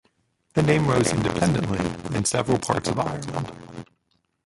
The name rose independently in several parts of Ireland.